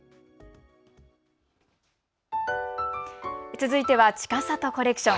続いては、ちかさとコレクション。